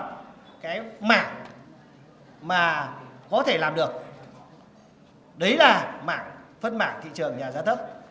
nhà mà có thể làm được đấy là phân mảng thị trường nhà giá thấp